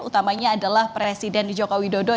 utamanya adalah presiden jokowi dodo